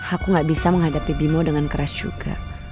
aku gak bisa menghadapi bimo dengan keras juga